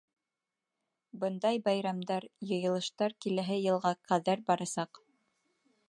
Бындай байрамдар, йыйылыштар киләһе йылға ҡәҙәр барасаҡ.